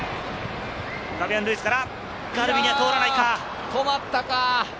ファビアン・ルイスからガルビには通らないか。